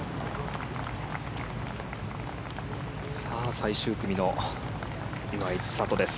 最終組の岩井千怜です。